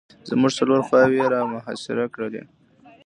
زموږ څلور خواوې یې را محاصره کړلې.